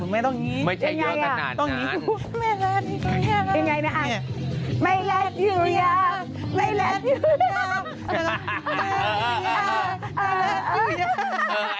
ไม่และอยู่ยักษ์